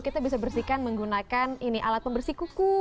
kita bisa bersihkan menggunakan alat pembersih kuku